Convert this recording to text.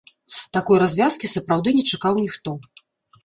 Такой развязкі сапраўды не чакаў ніхто.